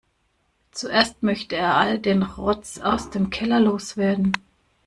Zuerst möchte er all den Rotz aus dem Keller loswerden.